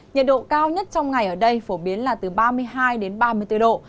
nhiệt độ cao nhất trong ngày ở đây phổ biến là từ ba mươi hai đến ba mươi bốn độ